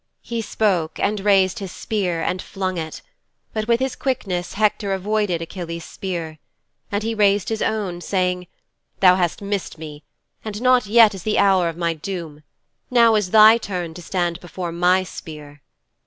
"' 'He spoke and raised his spear and flung it. But with his quickness Hector avoided Achilles' spear. And he raised his own, saying, "Thou hast missed me, and not yet is the hour of my doom. Now it is thy turn to stand before my spear."'